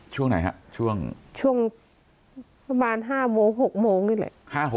ช่วงไหนฮะช่วงประมาณ๕โมง๖โมงนี่แหละ